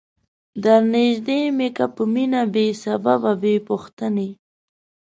در نیژدې می که په مینه بې سببه بې پوښتنی